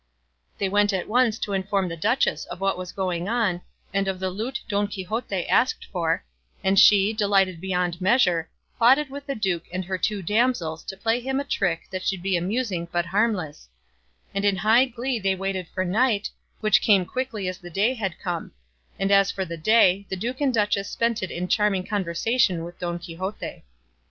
They went at once to inform the duchess of what was going on, and of the lute Don Quixote asked for, and she, delighted beyond measure, plotted with the duke and her two damsels to play him a trick that should be amusing but harmless; and in high glee they waited for night, which came quickly as the day had come; and as for the day, the duke and duchess spent it in charming conversation with Don Quixote.